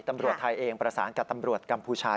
ตำรวจไทยเองประสานกับตำรวจกัมพูชา